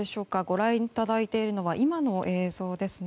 ご覧いただいているのは今の映像です。